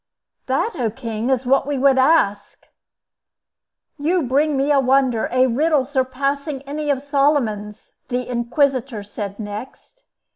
"That, O king, is what we would ask." "You bring me a wonder—a riddle surpassing any of Solomon's," the inquisitor said next.